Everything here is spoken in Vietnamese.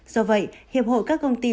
do vậy hiệp hội các công trình